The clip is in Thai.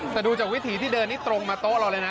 แต่ดูจากวิถีที่เดินนี่ตรงมาโต๊ะเราเลยนะ